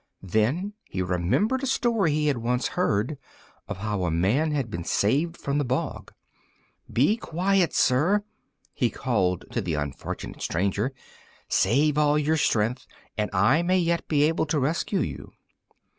Then he remembered a story he had once heard of how a man had been saved from the bog. "Be quiet, sir!" he called to the unfortunate stranger; "save all your strength, and I may yet be able to rescue you."